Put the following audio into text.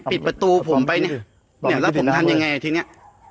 ปิดประตูผมไปเนี่ยเนี่ยแล้วผมทำยังไงทีเนี้ย